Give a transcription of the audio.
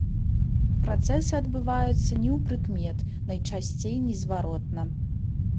Працэсы адбываюцца неўпрыкмет, найчасцей незваротна.